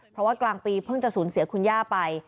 เพราะว่ากลางปีเพิ่งจะสูญเสียคุณย่าไป